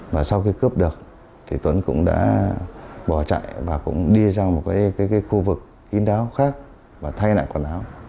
và sau khi cướp được thì tuấn cũng đã bỏ chạy và cũng đi ra một cái khu vực kín đáo khác và thay lại quần áo